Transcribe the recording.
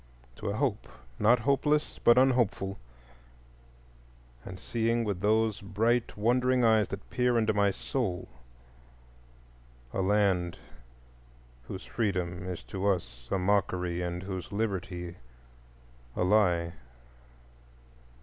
—to a hope not hopeless but unhopeful, and seeing with those bright wondering eyes that peer into my soul a land whose freedom is to us a mockery and whose liberty a lie.